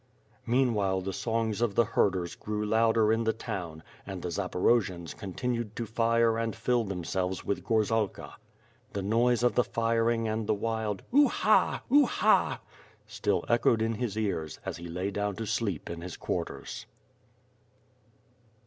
Meanwhile the songs of the herders grew louder in the town and the Zaporojians continued to fire and fill themselves with gorzalka. The noise of the firing and the wild "U ha!— U ha!" still echoed in his ears as he lay down to sleep in his quarters.